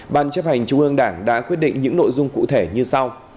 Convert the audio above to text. ban chấp hành trung ương đảng đã quyết định những nội dung cụ thể như sau